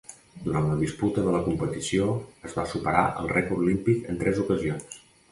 Durant la disputa de la competició es va superar el rècord olímpic en tres ocasions.